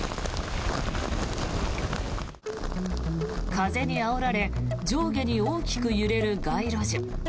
風にあおられ上下に大きく揺れる街路樹。